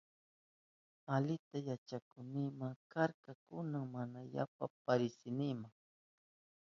Alita yachakuynima karka, kunan mana yapa parisinima.